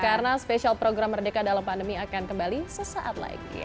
karena spesial program merdeka dalam pandemi akan kembali sesaat lagi